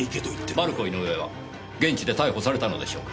マルコ・イノウエは現地で逮捕されたのでしょうか？